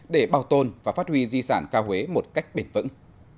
để bảo tồn và phát huy di sản ca huế một cách bền vững